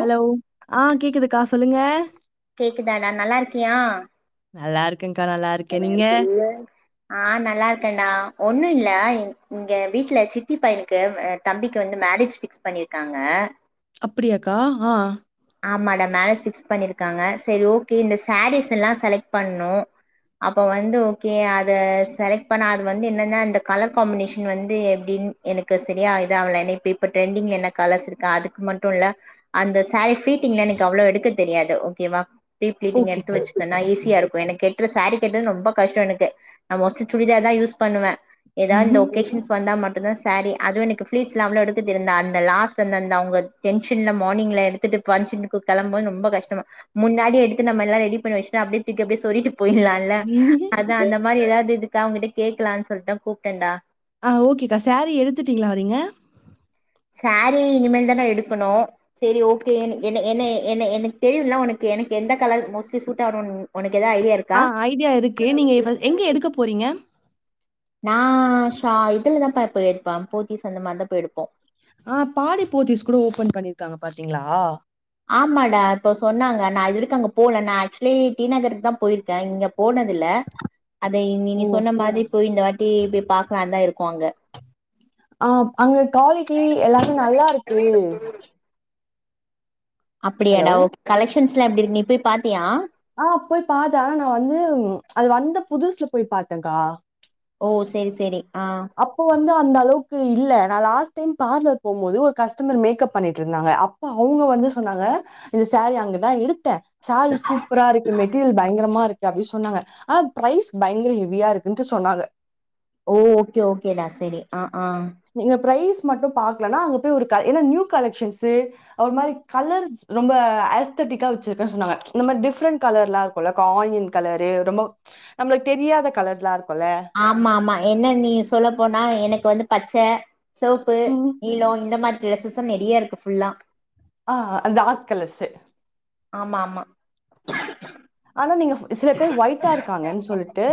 Hello ஆ‌ கேக்குதுக்கா சொல்லுங்க கேக்குதாடா நல்லா இருக்கியா நல்லா இருக்கேன்க்கா, நல்லா இருக்கேன். நீங்க? ஆ‌ நல்லா இருக்கேன்டா ஒண்ணு இல் லடா இங்க வீட்ல சித்தி பையனுக்கு தம்பிக்கு வந்து மேரேஜ் பிக்ஸ் பண்ணிருக்காங்க அப்டியாக்கா ஆ ஆமாடா மேரேஜ் பிக்ஸ் பண்ணிருக்காங்க செரி ஓகே இந்த சாரீஸ் எல்லா செலக்ட் பண்ணு அப்ப வந்து ஓகே அத செலக்ட் பண்ண அது வந்து என்னன்ன அந்த கலர் காம்பினேஷன் வந்து எப்டி எனக்கு சரியா இதாவல நீ இப்ப டரெண்டிங் என்ன கலர்ஸ் இருக்கு அதுக்கு மட்டு இல்ல அந்த சாரி ஃப்ளீடிங்லா எனக்கு அவ்ளோ எடுக்க தெரியாது ஓகேவா ஃப்ரீபிலிட்டிங் எடுத்து ஓகேக்கா. வச்சுடேன்னா ஓகே. ஈஸியா இருக்கு எனக்கு கட் டுர சாரி கட்றது ரொம்ப கஷ்டோ எனக்கு நா மோஸ்ட்லி சுடிதார்தா யூஸ் பண்ணுவே எதாவது இந்த ஒகேஷன்ஸ் வந்தா மட் டுதா சாரி அதுவு எனக்கு பிலிட்ஸ்லா அவ்ளோ எடுக்க தெரி அந்த லாஸ்ட் அந்தந்த அவுங்கல டென்ஷன்ல மார்னிங்ல எடு எடுத்துட்டு பங்க்ஷன்னுக்கு கிளம்புபோது ரொம்ப கஷ்டம் முன்னாடி எடுத்து நம்மல்லா ரெடி பண்ணி வெஸ்டா அப்டியே தூக்கி அப்டியே எடுத்து சொருகி போய்லால்ல அதா அந்த மாரி எதாவது இதுக்கு அவங்ககிட்ட கேக்கலான்னு சொல்லிட்டுதா கூப்ட்டேன்டா ஆ ஓகேக்கா சாரீ எடுத்துட்டீங்களா வரீங்க சாரி இனிமேல் தான்டா எடுக்கணு செரி ஓகே என்ன என்ன என்ன எனக்கு தெரியுல உனக்கு எனக்கு எந்த கலர் மோஸ்ட்லி சூட் ஆகுனு உனக்கு எதாவது ஐடியா இருக்கா ஆ ஐடியா இருக்கு நீங்க எங்க எடுக்க போறீங்க நா ஷா இதுலதாப்பா போய் எடுப்பே போத்திஸ் அந்த மாதிரிதா போய் எடுப்போ ஆ பாடி போத்தீஸ் கூட ஓப்பன் பண்ணிருக்காங்க பாத்தீங்களா ஆமாடா இப்ப சொன்னாங்க நா இதுவரைக்கு அங்க போல நா ஆக்சுவலி டீ நகருக்குதா போயிருக்கே இங்க போனதுல அதை நீ ஓ! சொன்னமாதி போய் இந்த வாட் ட்டி இப்டி பாக்கலானுதா இருக்கோ அங்க அ அங்க குவாலிட்டி எல்லாமே நல்லா இருக்கு ஹலோ. அப்படியாடா ஓகே கலெக்ஷன்ஸ் எல்லா எப்டி இருக்கு நீ போய் பாத்தியா ஆ போய் பாத்தே ஆனா நா வந்து அது வந்த புதுசுல போய் பாத்தேக்கா ஓ! சரி, சரி. ஆ வந்து அந்த அளவுக்கு இல்ல நா லாஸ்ட் டைம் பார்லர் போம்போது ஒரு கஸ்டமர் மேக்கப் பண்ணிட்டு இருந்தாங்க அப்ப அவுங் க வந்து சொன்னாங்க இந்த சாரி அங்கதா எடுத்தே சாரி சூப்பரா இருக்கு மெட்டீரியல் பயங்கரமா இரு க்கு அப்டி சொன்னாங்க ஆனா ப்ரைஸ் பயங்கர ஹெவியா இருக்குன்ட்டு சொன்னாங்க ஓ ஓகே ஓகேடா செரி அ நீங்க ப்ரைஸ் மட்டு பாக்கலனா அங்க போய் ஒரு ஏன்னா நியூ கலெக்ஷன்ஸ்சு ஒரு மாரி கலர்ஸ் ரொம்ப அஸ்த டிக்கா வச்சிருக்கே சொன்னாங்க இந்த மாதிரி டிஃபரென்ட் கலர்லா இருக்குல்ல ஆயில் கலரு ரொம்ப நம்மளுக்கு தெரியா கலர்லா இருக் ஆமா ஆமா என்ன நீ சொல்ல போனா எனக்கு வந்து பச்ச செவப்பு நீளோ இந்த மாதிரி ட்ரெஸ்ஸஸு நிறைய இருக்கு ஃபுல்லா ஆ அது டார்க் கலர்ஸு ஆமா ஆமா ஆனா நீங்க சில பேர் ஒய்ட்டா இருக்காங்கன் சொல்ட்டு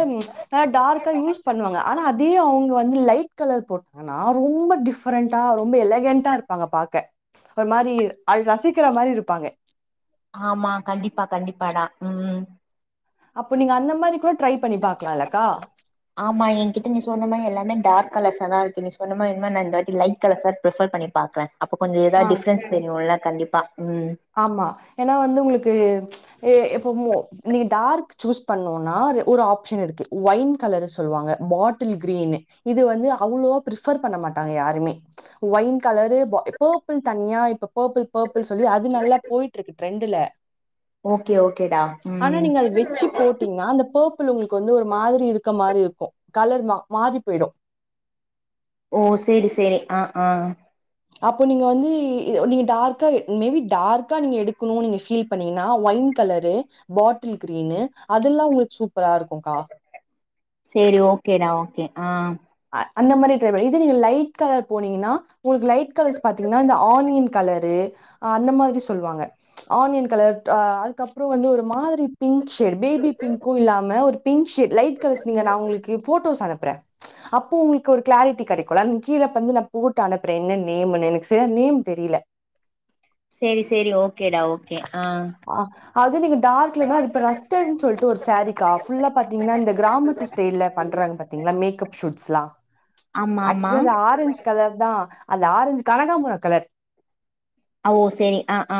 நா டார்க்கா யூஸ் பண்ணுவாங்க ஆனா அ தே அவுங்க வந்து லைட் கலர் போட்டாங்கன்னா ரொம்ப டிஃபரெண்டா ரொம்ப எலகெண்டா ருப்பாங்க பாக்க ஒரு மாரி அ ரசிக்கிற மாரி இருப்பாங்க ஆமா கண்டிப்பா கண்டிப்பாடாதா அப்போ நீங்க அந்த மாரி கூட ட்ரை பண்ணி பாக்கலாம்லக்கா? ஆமா என்கிட்ட நீ சொன்ன மே எல்லாமே டார்க் கலர்ஸாதா இருக்கு நீ சொன்ன மாரி இந்மாரி நா இந்த வாட்டி லைட் கலர்சா ப்ரிஃபர் பண்ணி பாக்குறே அப்ப கொஞ்சு ஆ. எதாத் டிஃப்ரன்ஸ் தெரியுலா கண்டிப்பா ம் ஆமா ஏன்னா வந்து உங்குளுக்கு எ எப் பும்மே நீங்க டார்க் சூஸ் பண்ணோனா அது ஒரு ஆப்ஷன் இருக்கு ஒயின் கலரு சொல்லுவாங்க பாட்டி வ் கிரீனு இது வந்து அவ்வளோ ப்ரிஃபர் பண்ண மாட்டாங்க யாருமே ஒயின் கலரு பா எப்போ பிள் தனியா இப்போ பேபிள் பேபிள் சொல்லி அது நல்லா போயிட்ருக்கு ட்ரெண்டு்ல ஓகே ஓகேடா ஆனா ம் நீங்க அது வெச்சு போட்டீங்ன்னா அந்த பே பிள் உங்குளுக் வந்து ஒரு மாதிரி இருக்க மாரி இருக்கு கலரு மா மாறி போயிடு ஓ செரி செரி அ அ அப்போ நீங்க வந்து நீங்க டார்கா எ மேபி டார்க்கா நீங்க எடுக்குணு நீீங்க ஃபீல் பண்ணீங்கன ஒயின் கலரு பாட்டில் க்ரீனு அதெல்லா உங்களுக் சூ செரி ஓகேடா ஓகே அ அ அந்த மாரி ட்ரை பண்ணி இது நீங்க லைட் கலர் போனீங்கின்னா உங்ளுக்கு லைட் கலர்ஸ் பாத்தீங்ன்னா இந்த ஆனியன் கலரு அந்த மாதிரி சொல்வாங்க ஆனியன் கலர் அதுக்கப்புறோ வந்து ஒரு மாதிரி பிங்க் ஷேட் பேபி பிங்க்கு இல்லாம ஒரு பிங்க் ஷேட் லைட் கலஸ் நீங்க நா உங்குளுக்கு போட்டோஸ் அனுப்புறே அப்போ உங்குளுக் ஒரு க்ளாரிட்டி கெடைக்குல அந்த கீழப் வந்து நா போட்டு அனுப்புறே என்ன நேமுனு எனக் செர்யா நேம் தெரியில செரி செரி ஓகேடா ஓகே அ ஆ அது நீங்க டார்க்லனா அது இப்ப ரஸ்டட்ன் சொல்ட்டு ஒரு சேரிக்கா ஃபுல்லா பாத்தீங்கின்னா இந்த க்ராமத்து ஸ்டைல பண்றாங் பாத்தீங் ந மேக்கப் ஷூட்ஸ்லா ஆமா ஆமா ஆக்சுலா அது ஆரஞ்ச் கலர் தா அந்த ஆரஞ்சு கனகாம்புர கலர் அ ஓ செரி அ ஆ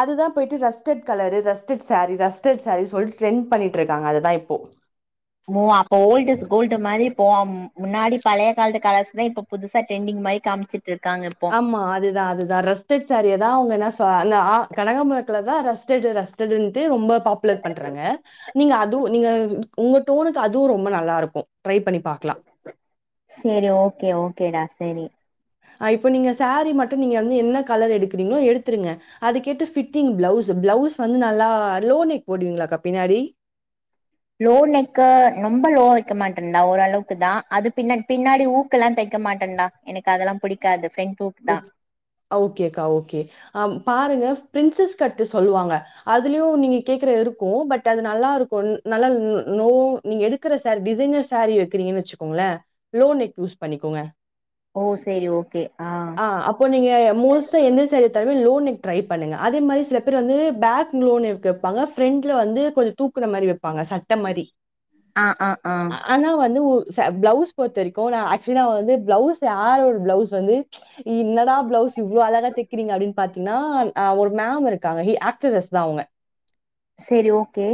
அதுதா போய்ட்டு ரஸ்டட் கலரு ரஸ்டட் சேரீ ரஸ்டட் சேரி சொல்ட்டு ட்ரெண் பண்ணிட்ருக்காங்க அதுதா இப்போ ஓ அப்போ ஓல்ட் இஸ் கோல்டு மாரி இப்போ அம் முன்னாடி பழைய கால்த்து கலஸ் இதா இப்போ புதுசா ட்ரெண்டிங் மரி காம்ச்சுட் ஆமா அதுதா அதுதா ரெஸ்டட் சேரியதா அவுங்க என்ன த அந்த அ கனகாம்புர கலர் தா ரஸ்டடு ரஸ்டடுன்டு ரொம்ப பாப்புலர் பண்றாங்க நீங்க அ துவு நீங்க உங்க டோனுக்கு அதுவு ரொம்ப நல்லாருக்கு செரி ஓகே ஓகேடா செரி இப்போ நீங்க சேரி மட்டு நீங்க வந்து என்ன கலர் எடுக்குறீங்ளோ எடுத்துருங்க அது கேட்டு ஃபிட்டிங் ப்ளவுஸு ப்ளவுஸ் வந்து நல்லா லோ நெக் போடுவீங்ளாக்கா பின்னாடி லோ நெக்கு ரொம்ப லோ வெக்க மாட்டன்டா ஓரளவுக்கு தா அது பின்னா பின்னாடி ஊக்கெல்லா தை க்க மாட்டன்டா எனக்கு அதெல்லா புடிக்காது ஃப்ரெண் ஓக் அ ஓகேக்கா ஓகே அ பா ருங்க ப்ரின்சஸ் கட்டு சொல்லுவாங்க அதுலியு நீங்க கேக்குற இருக்கு பட் அது நல்லாருக்கு ந நல்லா ல் லோ நீங்க எடுக்கிற சேரி டிசைனர் சேரி எட்க்குரீங்கன் வெச்சுக்கோங்களே லோ நெக்கு யூஸ் பண்ணிக்கோங்க ஓ செரி ஓகே ஆ ஆ அப்போ நீங்க மோஸ்ட்டா எந்த சாரி எடுத்தாலுமே லோ நெக் ட்ரை பண்ணுங்க அதே மாரி சில பேரு வந்து பேக் லோ நெக் கேப்பாங்க ஃப்ரெண்ட்ல வந்து கொஞ் தூக்குன மாரி வெப்பாங்க சட்ட மாரி ஆ ஆ ஆ ஆனா வந்து ஒ ச ப்ளவுஸ் பொற்த்த வரிக்கு நா ஆக்சிலா வந்து ப்ளவுஸு [unintelligible] ஒரு ப்ளவுஸ் வந்து இன்னாடா ப்ளவுஸ் இவ்ளோ அழகா தெக்கிறீங்க அப்டின் பாத்தீங்ன்னா அ ஒரு மேமு இருக்காங்க இ ஆக்டரஸ் தா அவுங்க செரி ஓகே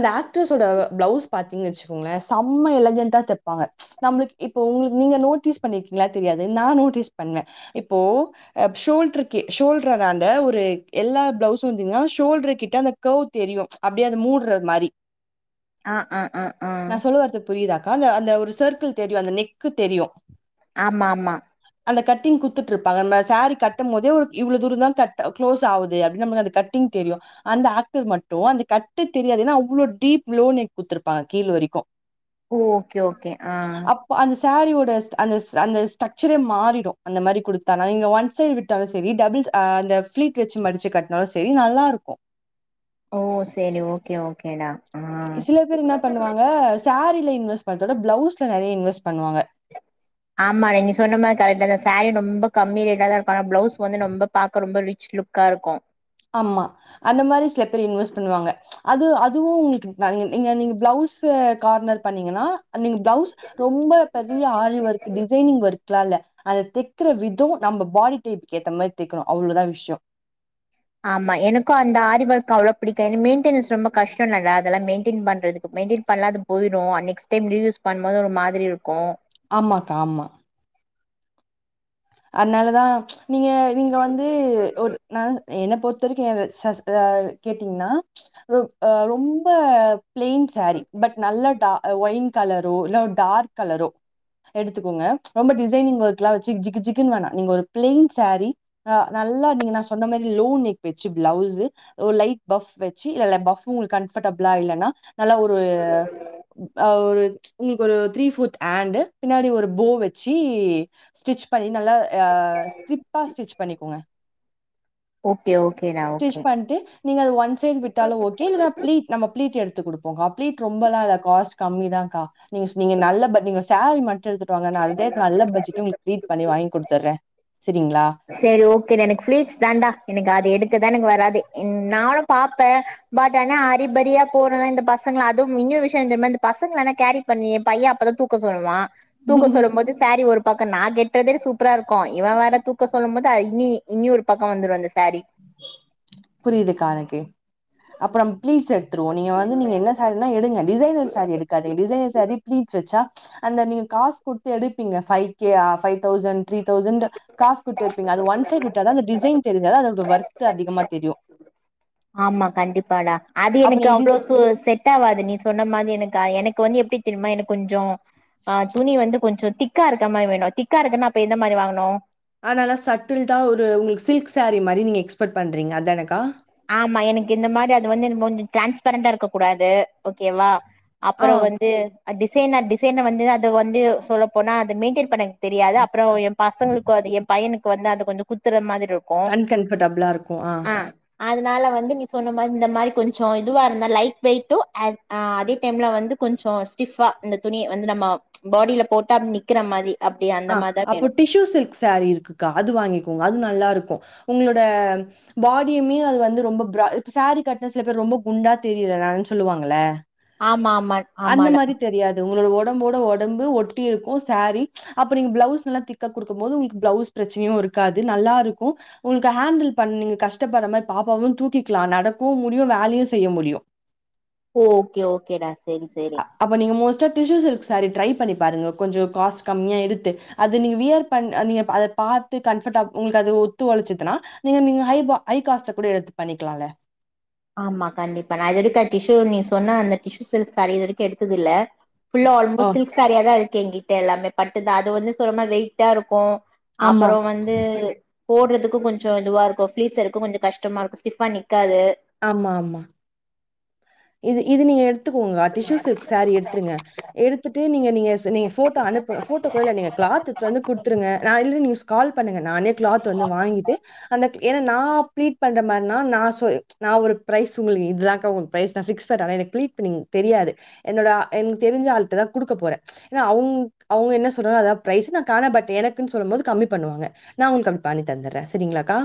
இந்த ஆக்ட்ரஸ்ஸோட பிளவுஸ் பாத்தீங்கன் வெச்சிக்கோங்களே சம்ம எலகென்டா தெப்பாங்க நம்ளுக் இப்ப உங்ளுக் நீங்க நோட்டீஸ் பண்ணிருக்கீங்ளா தெரியாது நா நோட்டீஸ் பண்ண இப்போ அ ஷோல்ட்ருக்கி ஷோல்ட்ர ராண்ட ஒரு எல்லா பிளவுஸு‌ வெந்தீங்ன்னா ஷோல்ட்ரு கிட்ட அந்த கேவ் தெரியு அப்டியே அது மூட்ற மாரி அ அ அ அ நான் சொல்ல வர்றது புரியுதாக்கா? அந்த அந்த ஒரு சர்க்கிள் தெரியு அந்த நெக்கு தெரியு ஆமா ஆமா அந்த கட்டிங் குத்துட்ருப்பாங்க நா சேரி கட்டம்மோதே ஒரு இவ்ளோ தூரோந் தா கட்ட களோஸ் ஆவுது அப்டி நம்ள அந்த கட்டிங் தெரியு அந்த ஆக்டர் மட்டு அந்த கட்டு தெரியாது என்னா அவ்ளோ டீப் லோ நெக் குத்துருப்பாங் கீல் வெரிக்கு ஒ ஓகே ஓகே அ சேரிவோட ஸ் அந்த அந்த ஸ்ட்க்சரே மாற் றிடு அந்த மாரி கொடுத்தானா இங்க ஒன் சைடு விட்டாலு செரி டபுள் ச அ அந்த ஃபிளீட் வெச்சி மடிச்சி கட்னாலு செரி நல் லாருக்கோ ஒ செரி ஓகே ஓகேடா ஆ சில பேர் என்ன பண்ணுவாங்க சாரில இன்வெஸ்ட் பண்றத பிளவுஸ்ல நெறைய இன்வெஸ்ட் பண்ணுவாங்க ஆமாடி நீ சொன்ன மார் கரெக்டாதா சாரி ரொம்ப கம்மி ரேட்டதாருக்கு ஆனா ப்ளவுஸ் வந்து ரொம்ப பாக்க ரொம்ப ரிச் ச்லுக்காருக்கோ ஆமா அந்த மாரி சிலப்பேர் இன்வெஸ்ட் பண்ணுவாங்க அது அதுவு உங்ளுக் ந நீங்க நீங்க பிளவுஸ் ஸ்ஸே கார்னர் பண்ணீங்கன்னா நீங்க பிளவுஸ் ரொம்ப பெரிய aari work designing work cloth ல்ல அத தெக்குற விதோ நம்ப பாடி டைப்புக்கு ஏத்த மாரி தெக்கணு அவ்ளோதா விஷ்யோ ஆமா எனக்கு அந்த ஆரி ஒர்க் அவ்ளோ பிடிக்காது மெயின்டெனன்ஸ் ரொம்ப கஷ்டொனல்ல அதெல்லா மெயின்டெய்ன் பண்றதுக்கு மெ மெய்ன்டெய்ன் பண்லா அது போயிரு நெஸ்ட் டைம் ரியூஸ் பண்ம் போது ஒரு மாதிரி இருக்கு ஆமா கா ஆமா அத்னாலதா நீங்க நீங்க வந்து ஒரு நா என்ன பொறுத்த வெரிக்கு சஸ் அ கேட்டீங்ன்னா ரெ அ ரொம்ப பிளேன் சேரி பட் நல்ல டா ஒயின் கலரோ இல்ல டார்க் கலரோ எடுத்துக்கோங்க ரொம்ப டிசைனிங் ஒர்க்லா வெச்சி ஜகு ஜிக் குன் வேணா நீங்க ஒரு பிளேன் சேரி அ நல்லா நீங்க நா சொன்ன மாரி லோ நெக் வெச்சி பிளவுஸு ஒரு லைட் பஃப் வெச்சி இல்லல பஃப்ஃபு உங்குளுக் கம்ஃபர்டபளா இல்லன்னா நல்லா ஒரு அ ஒரு உங்ளுக் ஒரு த்ரீ போர்த் ஹண்டு பின்னாடி ஒரு போ வெச்சி ஸ்டிச் பண்ணி நல்லா அ ஸ்ட்ரிப்பா ஸ்டிச் பண்ணிக்கோங்க ஓகே ஓகேடா ஸ்டிச் ஓகே பண்ட்டு நீங்க அது ஒன் சைட் விட்டாலு ஓகே இல்ல பிளீட் நம்ப பிளீட் எடுத் து குடுப்போங்க ப்ளீட் ரொம்பலா இல்ல காஸ்ட் கம்மி தா கா நீங்க சு நீங்க நல்ல பட் நீங்க சேரி மட் டு எடுத்துட்டுவாங்க நா அத நல்ல பட்ஜெட்ல உங்ளுக் ப்ளீட் பண்ணி வாங்கி குடுத்துற்ற செரி ஓகேடா எனக்கு ஃபீளீட்ஸ் தாண்டா எனக்கு அது எடுக்கத் தா எனக்கு வராது நானு பாப்ப பட் ஆனா அரிபரியா போறத இந்த பசங்களா அதும் மிங்கிள் விஷயோ என்த் தெரியுமா பசங்கள எல்லா கேரி பண்ணி பைய அப்பதா தூக்க சொல்வா தூக்க சொல்லும் போது சேரி ஒரு பக்கோ நா கெட்றதே சூப்பராருக்கோ இவ வேற தூக் க இனி இன்னி ஒரு பக்கோ‌ வந்துரு அந்த சேரி அப்றம் பிளீட்ஸ் எடுத்ருவோ நீங்க வந்து நீங்க என்ன சேரீனா எடுங்க டிசைனர் சேரி எடுக்காதீங்க டிசைனர் சேரி பிளீட்ஸ் வெச்சா அந்த நீங்க காஸ் குடுத்து எடுப்பீங்க five K five thousand three thousand cos குடுத்து எடுப்பீங்க அது ஒன் சைட் விட்டாத அந்த டிசைன் தெரிது அதா அதோட ஒர்த்து அதிகமா தெரியு ஆமா கண்டிப்பாடா அது அப்ப எனக்கு நீங்க அவ்ளோ சு செட் ஆவாது நீ சொன்ன மாரி எனக்கு எனக் கு வந்து எப்டி தெரிமா எனக் கொஞ்சோ அ துணி வந்து கொஞ்சோ திக் காருக்க மாரி வேணு திக்காருக்கன்னா அப்ப எந்த மாரி வாங்கணு ஆனால சட்டில்டா ஒரு உங்ளுக் சில்க் சேரி மாரி நீங்க எக்ஸ்பெட் பண்றீங்க அதானக்கா ஆமா எனக்கு இந்த மாதிரி அது வந்து கொஞ்சம் டிரான்ஸ்பரண்டா இருக்க கூடாது ஓகேவா ஆ அப்புறம் வந்து டிசைன டிசைன வந்து அது வந்து சொல்லப்போனா அது மெயின்டென் பண்ணக்கு தெரியாது அப்புறம் என் பசங்களுக்கும் அது என் பையனுக்கு வந்து அது கொஞ்ச குத்துற மாதிரி இருக்கு கன் கன்பர்டபிளா இருக்கும் ஆஹ் ஆ அதனால வந்து நீ சொன்ன மாதிரி இந்த மாதிரி கொஞ்சம் இதுவாக இருந்த லைட் வெய அதே டைம்ல வந்து கொஞ்சம் ஸ்டிஃபா இந்த துணி வந்து நம்ம பாடியில போட்டா அப்படின்னு ந்கிற மாதிரி ஆஹ் அப்போ டிஷ்யூ சில்க் சோரீ இருக்குக்கா அது வாங்கிக்கோங்க அது நல்லா இருக்கும் உங்களோட பாடியுமே அது வந்து ரொம்ப சாரீ கன சில பேர் ரொம்ப குண்டா தெரியல னு சொல்லுவாங்கள ஆமா ஆமா அந்த ஆமாடா மாதிரி தெரியாது உங்களோட உடம்போட உடம்ப கடபு ஒட்டி இருக்கும் சாரீ அப்ப நீங்க பிளவுஸ் நல்லா திக்கா கொடுக்கும் போது உங்களுக்கு பிளவுஸ் பிரச்சனையும் இருக்காது நல்லா இருக்கும் உங்களுக்கு ஹேண்டில் பண்ண நீங்க கஷ்டப்படுற மாதிரி பாப்பாவும் தூக்கிக்கலாம் நடக்கவும் முடியும் வேலையும் செய்ய முடியும் ஓகே ஓகேடா சரி சரி டிூ சி ட்ரை பண்ணி பாருங்க கொஞ்சம் காஸ்ட் கம்மியா த்து அதது நீங்க வியர் பண் நீங்க அத பார்த்து கபர் உங்களுக்கு ஒத்து உழைச்சதுன்னா நீங்க நீங்க ஐா ஐ காஸ கூட எடுத்து பண்ணிக்கலாம்ல ஆமா கண்டிப்பா நான் இதது வரைக்கும் டிஷு நீ சொன்ன அந்த டிஷு சில் சார இது வரைக்கும் எடுத்தது இல்ல ஃபுல்ல ஆ ஆல்மோஸ்ட் சில்க் சாரியா தான் இருக்கு எங்க்கிட்ட எல்லாமே பட்டுதுான் அது வந்து சொல்றமா வெயிட்டா இருக்கும் ஆமா, அப்புறம் வந்து போடுறதுக்கும் கொஞ்சம் இதுவா இருக்கும் பளீஸருக்கும் கொஞ்சம் கஷ்டமா இருக்கும் ஸ்டிஃபா ந்காது ஆமா ஆமா இது இது நீங்க எடுத்துக்கோங்க டிஷூ சில்க் சாரி எடுத்துிருங்க எடுத்துட்டு நீங்க நீங்க நீங்க போட்டோ அனுப்பு போட்டோ நீங்க கிளாந்து கொடுத்துங்க ந கால் ப பண்ணுங்க நானே கிளாத் வந்து வாங்கிட்டு அந்த ஏனன்ன நான் பீட் பண்ற மாதிரினா ந சொ நான் ஒரு பிரைஸ் உங்களுக்கு இதுதாக்க பிர பிக பண்ண கிள பண்ண தெரியாது என்ட எனக்கு தெரிஞ்ச ஆ தான் கொடுக்க போறேன் அவங்க அவங்க என்ன சொல்றாங்க அத ப பிரரைஸ்ான் கா பட் எனக்கு சொல்லும் போோது கம்மி பண்ணுவங்க நான் உங்களுக்கு அடி பண்ணி தந்துடுறேன் சரிங்களாக்கா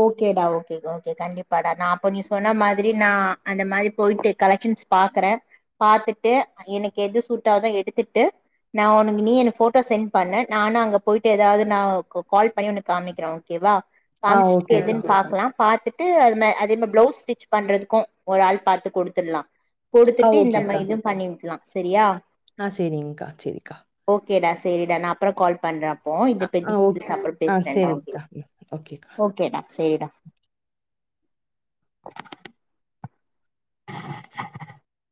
ஓகேடா ஓகே ஓகே கண்டிப்பாடா நான் அப்ப நீ சொன்ன மாதிரி நான் அந்த மாதிரி போயிட்டு கலெக பாக்குறேன் பாாரத்துட்டு எனக்கு எது சூட்டோ எடுத்துட்டு நான் உனக்கு நீ என் போட்டோ சென்ட் பண்ணன் நானா அங்க போயிட்டு ஏதாவது நான் கால் பண்ணி உனக்கு காமிக்கிறேன் ஓகேவா ஆ காமிச்சிட்டு ஓகேக்கா. எதுன்னு பாலாம் பாார்த்தட்டு அதே மாதிரி பிளவுஸ் ஸ்டிச் பண்றதுக்கும் ஒரு ஆள் பாாரத்துு குடுத்துடலாம் ஆ கொடுத்துட்டு இந்த மாரி இதும் பண்ணி விக்கலாம் சரியா ஆஹ் சரிங்க்கா சரிக்கா ஓகேடா சேரிடா நான் அப்பறம் கால் பண்றப்போ இத ஆ [unintelligible] ஆ பத்தி ஓக் அப்பறம் ஆ பேசுறேன்டா சரிக்கா ம் ஓகேக்கா ஓகே டா சேரிடா